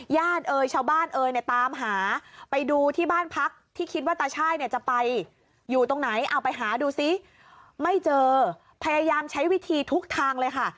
เอ่ยชาวบ้านเอ่ยเนี่ยตามหาไปดูที่บ้านพักที่คิดว่าตาช่ายเนี่ยจะไปอยู่ตรงไหนเอาไปหาดูซิไม่เจอพยายามใช้วิธีทุกทางเลยค่ะ